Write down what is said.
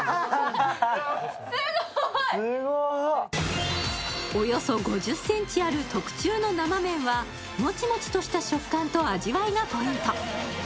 すごい！およそ５０ｃｍある特注の生麺はモチモチとした食感と味わいがポイント。